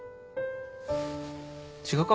違うか？